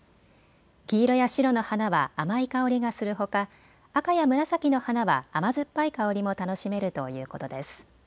黄色や白の花は甘い香りがするほか、赤や紫の花は甘酸っぱい香りも楽しめるということです。